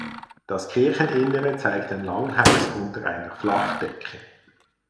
Das Kircheninnere zeigt ein Langhaus unter einer Flachdecke.